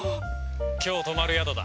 今日泊まる宿だ。